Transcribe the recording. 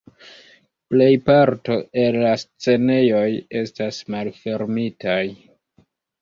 Plejparto el la scenejoj estas malfermitaj.